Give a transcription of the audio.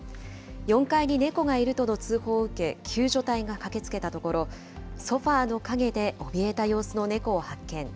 ４階に猫がいるとの通報を受け、救助隊が駆けつけたところ、ソファーの陰でおびえた様子の猫を発見。